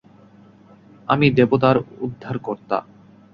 আমি দেবতার উদ্ধারকর্তা।